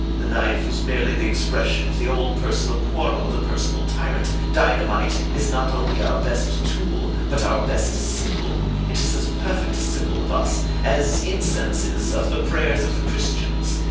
"The knife was merely the expression of the old personal quarrel with a personal tyrant. Dynamite is not only our best tool, but our best symbol. It is as perfect a symbol of us as is incense of the prayers of the Christians.